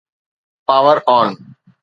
power on